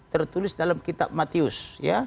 tertulis dalam kitab matius